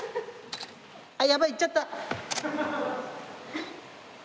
あっやばい行っちゃった。